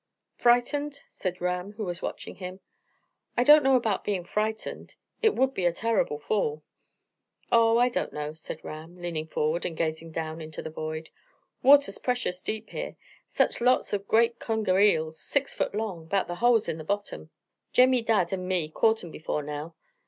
"Frightened?" said Ram, who was watching him. "I don't know about being frightened. It would be a terrible fall." "Oh, I don't know," said Ram, leaning forward and gazing down into the void. "Water's precious deep here. Such lots of great conger eels, six foot long, 'bout the holes in the bottom. Jemmy Dadd and me's caught 'em before now.